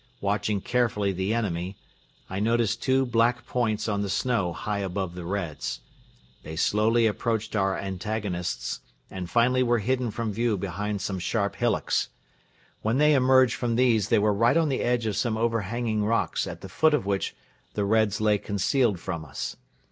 Watching carefully the enemy, I noticed two black points on the snow high above the Reds. They slowly approached our antagonists and finally were hidden from view behind some sharp hillocks. When they emerged from these, they were right on the edge of some overhanging rocks at the foot of which the Reds lay concealed from us.